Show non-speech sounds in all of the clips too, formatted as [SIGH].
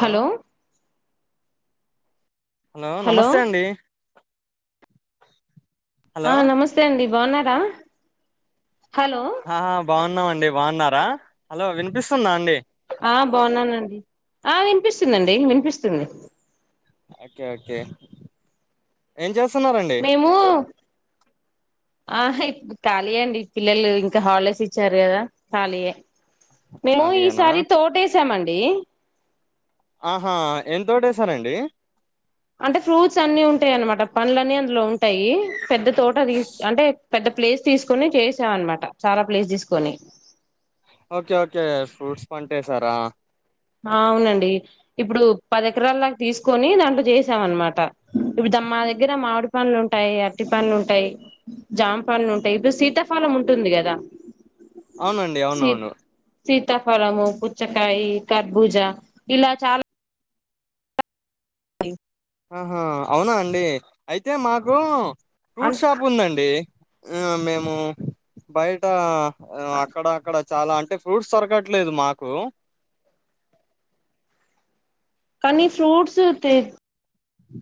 Hello hello నమస్తే అండి hello ఆ నమస్తే అండి బాగున్నారా హలో ఆ బాగున్నామండి బాగున్నార్ ర హలో వినిపిస్తుందా అండి ఆ బాగున్నానండి ఆ వినిపిస్తుందండి వినిపిస్తుంది ఓకే ఓకే ఏం చేస్తున్నారండి మేము ఆ ఇప్ ఖాళీయే అండి పిల్లలు ఇంకా హాలిడేస్ ఇచ్చారు కదా ఖాళీయే మేము ఖాళీయేనా ఈసారి తోటేసామండి డి ఆహా ఏం తోటేసారండి అంటే ఫ్రూట్స్ అన్ని ఉంటాయి అనమాట పండ్లు అన్నీ అందులో ఉంటాయి పెద్ద తోట లీస్ అంటే పెద్ద ప్లేస్ తీసుకొని చేసామ అనమాట చాలా ప్లేస్ తీసుకొని ఓకే ఓకే ఫ్రూట్స్ పంటేేశారా ఆ అవునండి ఇప్పుడు పది ఎకరాలలాగా తీసుకొని దాంట్లో చేసాం అనమాట ఇప్పుడు మా దగ్గర మామిడి పండ్లు ఉంటాయి అరటి పండ్లు ఉంటాయి జామ పండ్లు ఉంటాయి ఇప్పుడు శీతాఫలం ఉంటుంది కదా అవునండి సీ అవునవును. సీతాఫలము, పుచ్చకాయి కర్భూజ ఇలా చాలా [UNINTELLIGIBLE] ఆహా అవునా అండి అయితే మాకు అన్ ఫ్రూట్ షాప్ ఉందండి. ఆ మేము బయటా ఆ అక్కడ అక్కడ చాలా అంటే ఫ్రూట్స్ దొరకట్లేదు మాకు. కానీ ఫ్రూట్స్ తి హహ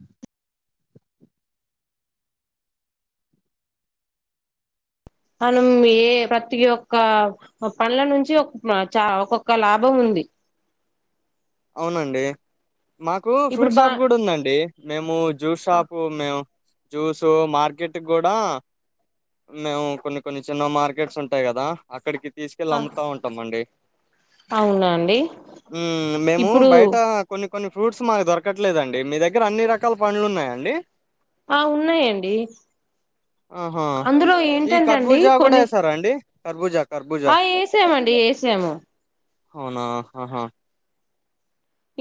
మనం ఏ ప్రతి ఒక్క పండ్ల నుంచి ఒ చ ఒకొక్క లాభం ఉంది. అవునండి. మాకు ఇప్పుడు ఫ్రూట్ బా షాప్ కూడా ఉందండి. మేము జ్యూస్ షాపు, మేము జ్యూస్ మార్కెట్ కూడా మేము కొన్ని కొన్ని చిన్న మార్కెట్స్ ఉంటాయి కదా అక్కడికి తీసుకెళ్ళలి అమ్ముతా ఉంటామండి. అవునా అండి. మ్మ్ మేము ఇప్పుడు బయట కొన్ని కొన్ని ఫ్రూట్స్ మాకు దొరకట్లేదండి. మీ దగ్గర అన్ని రకాల పండ్లు ఉన్నాయండి. ఆ ఉన్నాయండి ఆహా అందులో ఏంటంటే అండి కొన్ని కర్భుజా ఆ ఎసామండి. ఏసాము. అవునా అహా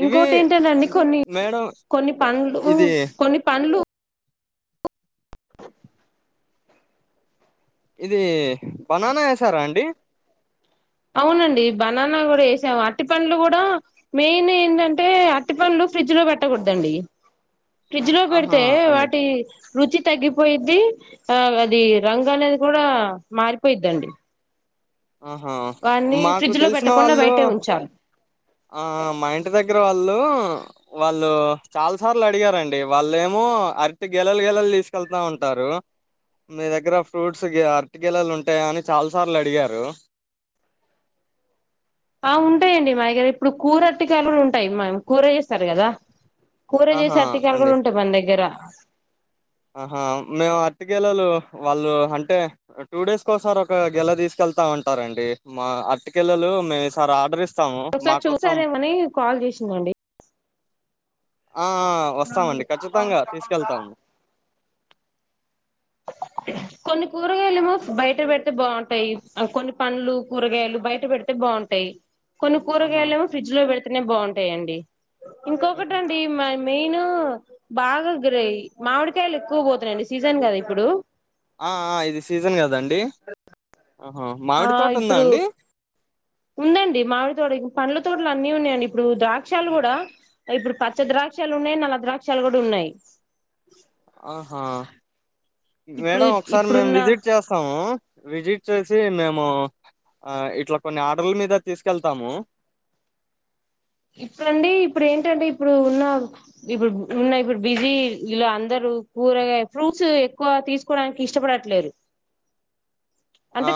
ఇంకోటి ఏంటటేనండి కొన్ని మేడం కొన్ని పండ్లు ఇది కొన్ని పండ్లు ఇది బనానా వేసారా అండి. అవునండి బనానా కూడా వేసాము. అరటిపండ్లు కూడా మెయిన్ ఏంటంటే అరటిపండ్లు ఫ్రిడ్జ్ లో పెట్టకూడదండి. ఫ్రిడ్జ్ లో ఆహా పెడితే అండి వాటి రుచి తగ్గిపోయిద్ది ఆ అది రంగు అనేది కూడా మారిపోయిద్దండి. ఆహా వాన్ని మాకు ఫ్రిడ్జ్ లో తెలిసిన పెట్టకుండా వాళ్ళు బయటే ఉంచాలి ఆ మా ఇంటి దగ్గర వాళ్ళు హ్ వాళ్ళు చాలా సార్లు అడిగారండి. వాళ్ళేమో అరటి గెలలు గెలలు తీసుకెళ్తా ఉంటారు. మీ దగ్గర ఫ్రూట్స్ గె అరటి గెలలు ఉంటాయ అని చాలా సార్లు అడిగారు. హలో ఆ ఉంటాయండి మా దగ్గర. ఇప్పుడు కూర అరటికాయలు ఉంటాయి మ కూర చేేస్తారు కదా. కూర ఆహా చేసే అర్టికాయలు కూడ అండి ఉంటాయి మన దగ్గర. ఆహా మేము అరటి గెలలు వాళ్ళు అంటే టూ డేస్ కోసారి ఒక గెల తీసుకెళ్తా ఉంటారండి. మా అరటి గెలలు మేము ఈసారి ఆర్డర్ ఇస్ స్తాము, మా ఒకసారి కోసం చూసారేమని కాల్ చేసిందండి ఆ వస్తామండి. ఖచ్చితంగా తీసుకెళ్తాము. కొన్ని కూరగాయలు ఏమో బయట పెడితే బాగుంటాయి కొన్ని పండ్లు కూరగాయలు బయట పెడితే బాగుంటాయి కొను కూరగా ఆహా ఎళ్ ఫ్రిజ లో వెళ్తతే అక్కనే బాగుంటాయిడి హుహు. ఇంకొకటండి మ మీ నేను బాగార మామిడికాయలు ఎక్కువ పోతున్నాండి సీజన్ కద ఇప్పుడు ఆ ఇది సీజన్ కదాండి ఆ ఇప్పుడు ఉందండి మామిడి తోడ పంలు ోట్లు అన్నిీ ఉన్నాయిడి ఇప్పుడు ద్రాక్షాలు కూడా ఇప్పుడు పచ్చ ద్రాక్షాలు ఉన్నాయి నల్ల ద్రాక్షాలు కూడా ఉన్నాయి ఆహా ఇప్పుడు మేడం ఒకసారి మేము ఇప్పుడున్న విజిట్ చేస్తాము విజిట్ వచ్చ మేము ఇట్లా కొన్ని ఆర్డర్ల మీద తీసుకెళ్తాము ఇప్పుడుండి ఇప్పుడు ఏంటంటే ఇప్పుడు ఉన్న ఇప్పుడు ఉన్న ఇప్పుడు బిజీ ఇలా అందరుూ కూరగాయ ఫ్రూట్స్ ఎక్కువ తీసుకోవడానికి ఇష్టపడట్లేదు ఆ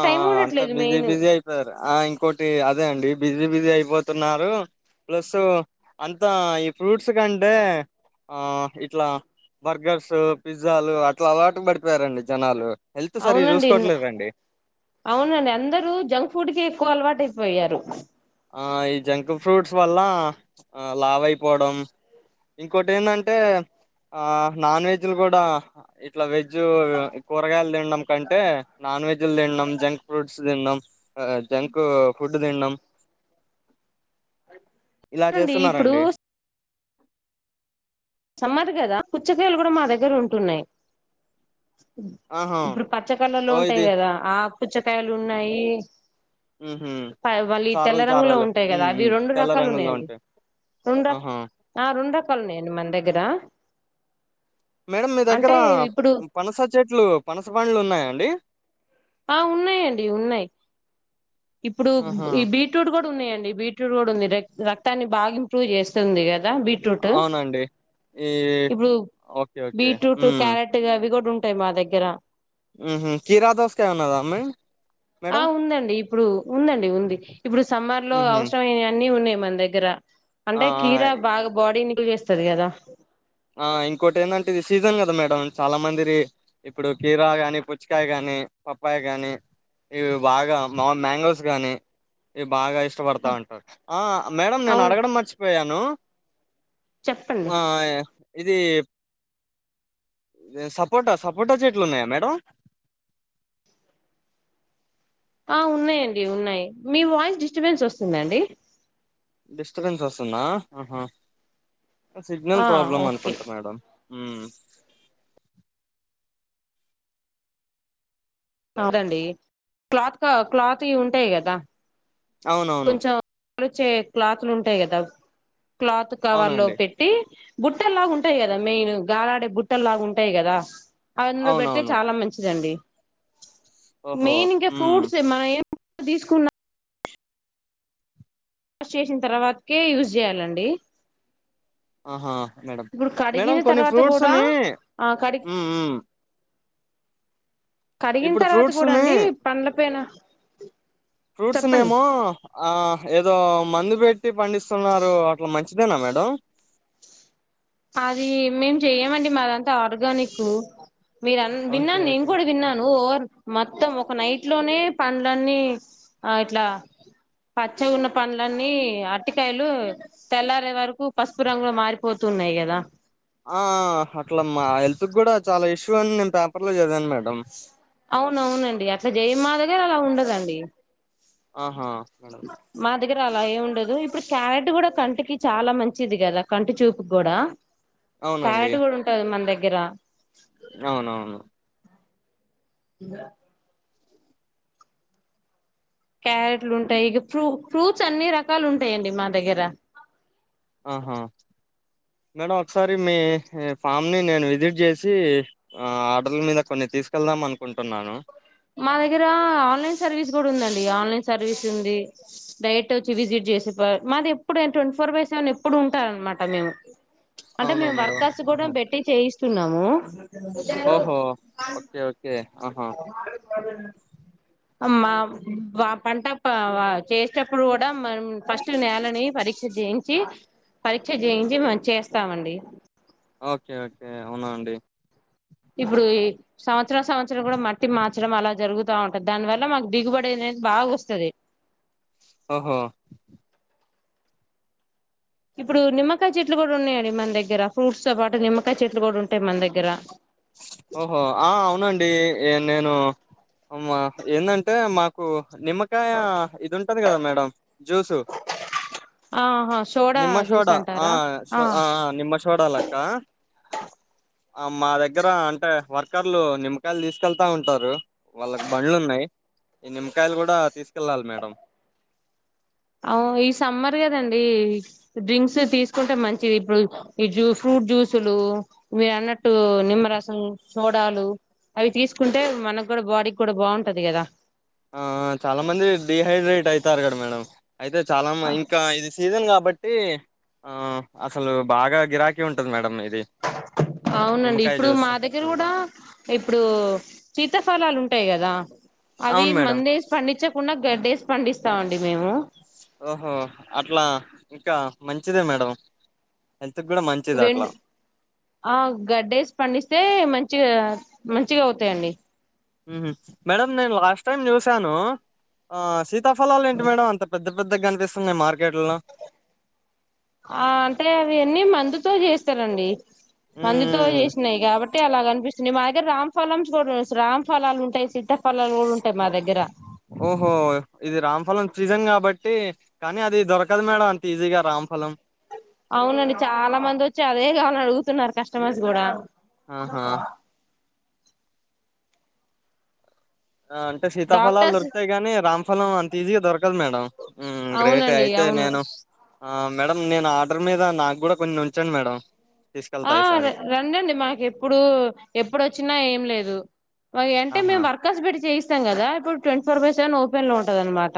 అంతా బిజీ బిజీ అయిపోయారు ఆ ఇంకోటి అదే అండి బిజీ బిజీ అయిపో పోతున్నారు ప్లస్సు అంతా ఈ ఫ్రూట్స్ కంటే ఆ ఇట్లా బర్గర్స్ పిజ్జాలు అట్లా అవాటు పడిపోయారండి జనాలు హల్త్ సరి అవునండి చూసుకోవట్లేదు రండి అవునండి అందరూ జంక్ ఫుడ్ క ఎక్కువ అలవాటు అయిపోయారు ఆ ఈ జంక్ ఫ్రూట్స్ వల్ల లావ అయిపోవడం ఇంకోొటి ఏంటంటే ఆ నాన్ వెజ్లు కూడా ఇట్లా వెజ్ కూరగాయలు తిినడం కంటే నాన్ వెజ్ ం జంక్ ఫ్రూట్స్న్నాం ఆ జంకు ఫుడ్ తిినం ఇలా అండి ఇప్పుడు చేస్తున్నారంండి సమ్మధ కదా పుచ్చకాయలు కూడా మా దగ్గర ఉంటున్నాయి ఆహా ఇప్పుడు పచ్చ కళ్ళలో ఓ ఉంటాయి ఇది కదా ఆ పుచ్చకాయలు ఉన్నాయి ఉహు వాళ్ళు ఈ చారలు తెల్లరంగులో చారలు ఉంటాయి కదా ఉమ్ అవి ఉమ్. రెండు తెల్ల రకాలు రంగుల్లో ఉన్నాయండి ఉంటాయి రెండు ర ఆహా ఆ రెండు రకాలు ఉన్నాయండి మన దగ్గర కదా మేడం మీ దగ్గర పనస చెట్లు పనస పండ్లు ఉన్నాయాండి ఆ ఉన్నాయంండి ఉన్నాయి ఇప్పుడు ఆహా ఈ బీట్రూట్ కూడా ఉన్నాయండి బీట్రూట్ కూడా ఉంది రక్తన్ని బాగా ఇంప్రూవ్ చేస్తుంది కదా బీట్రూట్ అవునండి ఈ ఇప్పుడు ఓకే ఓకే బీట్రూట్ ఉమ్ క్యారెట్ అవి కూడా ఉ మా దగ్గర ఉహు కిరా దోసకాయ ఉన్నాద మీ ఆ ఉందండి ఇప్పుడు ఉందండి ఉంది ఇప్పుడు సమ్మర్ లో ఉహు అవసర అయ్యే అన్ని ఉన్నాయి మన దగ్గర అంటే ఆ కీరా బాగా బాడీ ని చేస్త తది గదా ఆ ఇంకోటి ఏందంటే ఇది సీజన్ మేడం చాలా మంది ఇప్పుడు కీరా గాని పుచ్చకాయ గానీ పప్పాయి గానీ ఇవి బాగా మా మ్యాంగోస్ గానీ ఇవి బాగా ఇష్ట ష్టపడతా ఉంటారు ఆ మేడం నేను అవును అడగడం మర్చిపోయాను చెప్పండి ఆ ఇది సపోటా సపోటా చెట్లు ఉన్నాయా మేడం ఆ ఉన్నాయండి ఉన్నాయి మీ వాయిస్ డిస్టర్బెన్స్ వస్తుందండి డిస్టబెన్స్ వస్తుందా ఆహ సిగ్నల్ ఆ ప్రాబ్లమ్ ఓకే అనుకుంటా మేడం ఉమ్ కాదండి క్లాత్ క క్లాత్ ఉంటాయి కదా అవునవును తలుచే క్లాతులుంటాయి కదా క్లాత్ కవర్ లో అవునండి పెట్టి బుట్టలులాగా ఉంటాయి కదా మెయిన్ గాలాడే బుట్టలు లాగా ఉంటాయి కదా అందులో పెడితే అవునవును చాలా మంచిదండి ఓహో మెయిన్ ఇంకా మ్మ్ ఫ్రూట్స్ ఏ మా తీసుకున్నా వాష్ చేసిన తర్వాతకే యూజ్ చేయాలండి ఆహా మేడం ఇప్పుడు మేడం కడిగిన కొన్ని తర్వాత కూడా ఫ్రూట్స్ని ఆ కడి కరిగిన ఇప్పుడు తర్వాత కూడా అండి ఫ్రూట్స్ని పండ్ల పైన ఫ్రూట్స్ చెప్పండి నమో ఆ ఏదో మందు పెట్టి పండిస్తున్నారు అట్లా మంచి చిదేనా మేడ అది మేము చెయ్యమండి మాదంతా ఆర్గానిక్ మీరు ఓకే విన్నాను నేను ఓకే కూడా విన్నాను ఓ మ మొత్తం ఒక నైట్ లోనే పండ్లన్నీ ఆ ఇట్లా పచ్చ ఉన్న పండ్లన్నీ అటికాయలు తెల్లారే వరకు పసుపు రంగు మారిపోత తున్నాయి కదా ఆ అట్లా మా హెల్త్ కూడా చాలా ఇష్యూ అని నేను పేపర్ లో చదివాను మేడం అవునవునండి అట్లా జయ మదేగారా అలా ఉండదండి ఆహా మేడం మా దగ్గర అలా ఏ ఉండదు ఇప్పుడు క్యారెట్ కూడా కంటికి చాలా మంచిది కదా కంటి చూపు కూడా అవునండి క్యారెట్ కూడా ఉంటది మన దగ్గర గిరా అవునవును క్యారెట్లు ఉంటాయి ఇక ఫ్రూ ఫ్రూట్స్ అన్ని రకాలు ఉంటాయిండి మా దగ్గర ఆహా మేడం ఒకసారి మీ ఫామ్ని నేను విజిట్ చేసి ఆర్డర్ల మీద కొన్ని తీసుకెళ్దాం అనుకుంటున్నాను మా దగ్గర ఆన్లైన్ సర్వీస్ కూడా ఉందండి ఆన్లైన్ సర్వీస్ ఉంది డరెక్ట్ వచ్చి విసిట్ చేసిరు మాది ఎప్పుడు ట్వంటీ ఫోర్ బై సెవెన్ ఎప్పుడు ఉంటారు అనమాట మేము అంటే అవునా మేము మేడం వర్కర్స్ కూడా ఆహా పెట్టి చేయిస్ స్తున్నాము ఓహో ఓకే ఓకే ఆహా అ మా పంట చేసేటప్పుడు కూడా మ ఫస్ట్ నేలని పరీక్ష చేయించి పరీక్ష చేయించి మం చేస్తామండి ఓకే ఓకే అవునా అండి ఇప్పుడు ఈ సంవత్సరం సంవత్సరం కూడా మట్టి మార్చడం అలా జరుగుతా ఉంటది దానివల్ల మాకు దిగుబడిది అనేది బాగా వస్తది ఓహో ఇప్పుడు నిమ్మకాయ చెట్లు కూడా ఉన్నాయండి మన దగ్గర ఫ్రూట్స్ తో పాటు నిమ్మకాయ చెట్లు కూడా ఉంటాయి మన దగ్గర ఓహో ఆ అవునండి ఏ నేను మా ఎందంటే మాకు నిమ్మకాయ ఇది ఉంటది కదా మం డ జ్యూసు ఆహా సోడా నిమ్మ చోడ జ్యూస్ ఆ అంటారా ఆ నిమ్మ చోడ లక్క అ మ్మాద దగ్గర అంటే వర్కర్లు నిమ్మకాయలు తీసుకెళ్తా ఉంటారు వాళ్ళకు బండ్లు ఉన్నాయి ఈ నిమ్మకాయలు కూడా తీసుకెళ్ళాలి మేడం అ ఈ సమ్మర్ కదండి డ్రింక్స్ తీసుకుంటే మంచిది ఇప్పుడు ఈ జూ ఫ్రూట్ జ్యూసులు మీరు అన్నట్టు నిమ్మరసం సోడాలు అవి తీసుకుంటే మనకు కూడా బాడీ కూడా బాగుంటది కదా ఆ చాలా మంది డిహైడ్రేట్ అయితారు కద మేడం అయితే చాలా ఇంకా ఇది సీజన్ కా బట్టి ఆ అసలు బాగా గిరాకీ ఉంటది మేడం మీ అవునండి ఇప్పుడు మా దగ్గర సోడా కూడా ఇప్పుడు సీతాఫలాలు ఉంటాయి కదా అవి అవును మేడం మందేసి పండించకుండా గద్దె పండిస్తామండి మేము ఓహో అట్లా ఇంకా మంచిదే మేడం హెల్త్ కూడా మంచిది వెం అట్లా ఆ గడ్డేసి పండిస్తే మంచిగా మంచిగా అవుతాయండి మేడ నేను లాస్ట్ టైమ్ చూసాను ఆ త ఫలాలు ఏంటి మేడం అంత పెద్ద పెద్దగా కనిపిస్తున్నాయి మార్కెట్లో ఆ అంటే అవి అన్నీ మందుతో చేస్త ఇస్తారంండి మందుతో ఉమ్ చేసినాయి కాబట్టి తే అలా కనిపిస్తుంది మా దగ్గర రామ్ ఫలం కూడా రామ్ ఫలాలు ఉంటాయి సితా ఫలాలు ఓహో ఇది రామ్ఫలం సీజన్ కాబట్టి కానీ అది దొరకదు మేడం అంత ఈజీగా రాంఫలం అవునండి చాలా మంది వచ్చి అదే కావాలని అడుగుతున్నారు కస్టమర్స్ కూడా ఆ అంటే సీతా ఫలాలు డాక్టర్స్ దొరుకుతాయి కాని రామ్ ఫలం అంత ఈజీగా దొరకదు మేడం మ్మ్ గ్రేట్ అవునండి అయితే అవును నేను ఆ మేడం నేను ఆర్డర్ మీద నాకు కూడా కొన్ని ఉంచండి మేడం తీసుకెళ్తా ఆ ఈసారి రంండి మాకు ఎప్పుడు ఎప్పుడుొచ్చినా ఏం లేదు మాకు అంటే ఆహా మేము వర్కాస్ పెట్టి చేస్త ం కదా ఇడు twenty four by seven open లో ఉంటద అనమాట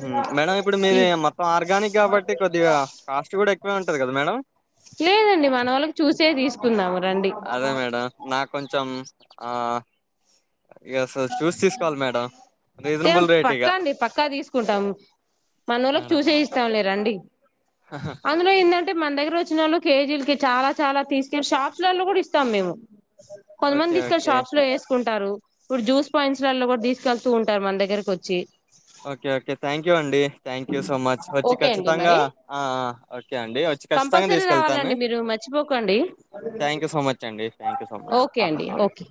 హ్మ్ మేడం ఇప్పుడు మీది ఈ మొత్తం ఆర్గానిక్ కాబట్టి కొద్దిగా కాస్ట్ కూడా ఎక్కువే ఉంటు కదా మేడం లేదండి మన వాళ్ళకి చూసే తీసుకుందాం అదే మేడం నాక్ కొంచెం ఆ యాస్ర్ రేట్ ఇగ పక్కా అండి పక్కా తీసుకుంటాం మన వోళ్ళకి చూసే ఇస్తాం లే రండి అందులో ఏంటంటే మన దగ్గర వచ్చి లు కేజీలకి చాలా చాలా తీసుక షాప్స్లలో కూడా ఇస్తాం మేము కొంతమంది ఓకే తీసుకళ్ని ఓకే షాప్స్ లో వేసుకుంట తారు ఇప్పుడు జూస్ పాయింట్స్లలో కూడా తీసుకెళ్తూ ఉంటారు మన దగ్గరకు వచ్చి ఓకే ఓకే థ్యాంక్ యూ అండి థ్యాంక్ యూ సో మచ్ వచ్చి ఓకే అండి ఖచ్చితంగా మరి ఆ ఆ ఓకే అండి వచ్చి ఖచ్చితంగా కంపల్సరీ తీసుకెళ్తాను రావాలండి మీరు మర్చిపోకండి థ్యాంక్ యూ సో మచ్ అండి thank you so much okay అండి ఓకే